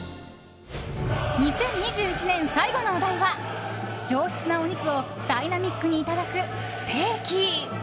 ２０２１年最後のお題は上質なお肉をダイナミックにいただくステーキ。